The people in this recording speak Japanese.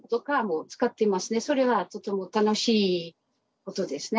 それはとても楽しいことですね。